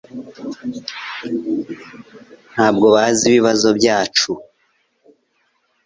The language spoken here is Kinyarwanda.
Ntabwo bazi ibibazo byacu